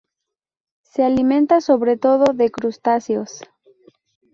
Se alimenta sobre todo de crustáceos.